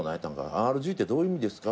「ＲＧってどういう意味ですか？」